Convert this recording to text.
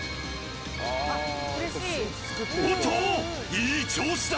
いい調子だ！